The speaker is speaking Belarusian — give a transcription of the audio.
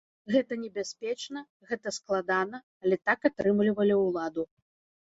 Гэта небяспечна, гэта складана, але так атрымлівалі ўладу.